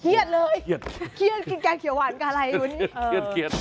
เครียดเลยเครียดกินแกงเขียวหวานกันอะไรอยู่นี่เออเครียดเครียด